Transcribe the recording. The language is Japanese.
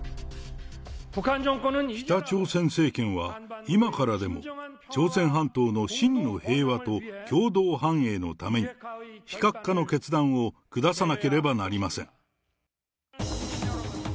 北朝鮮政権は、今からでも朝鮮半島の真の平和と共同繁栄のために、非核化の決断を下さなければなりません。